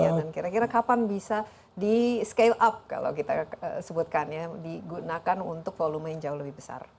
dan kira kira kapan bisa di scale up kalau kita sebutkan ya digunakan untuk volume yang jauh lebih besar